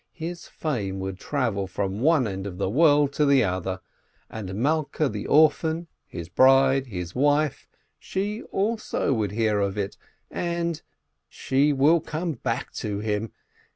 His fame would travel from one end of the world to the other, and Malkeh the orphan, his bride, his wife, she also would hear of it, and — She will come back to him!